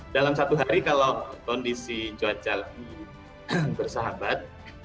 dalam satu hari kalau kondisi cuaca bersahabat